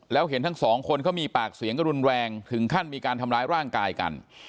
แล้วเห็นทั้งสองคนเขามีปากเสียงกันรุนแรงถึงขั้นมีการทำร้ายร่างกายกัน